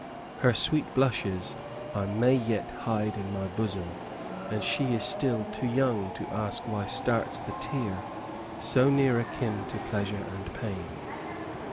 Her sweet blushes I may yet hide in my bosom, and she is still too young to ask why starts the tear so near akin to pleasure and pain.